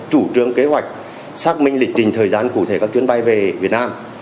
chủ trương kế hoạch xác minh lịch trình thời gian cụ thể các chuyến bay về việt nam